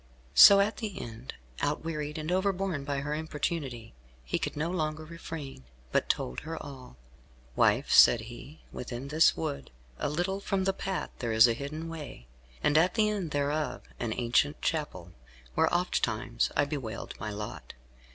So at the end, outwearied and overborne by her importunity, he could no longer refrain, but told her all. "Wife," said he, "within this wood, a little from the path, there is a hidden way, and at the end thereof an ancient chapel, where oftentimes I have bewailed my lot.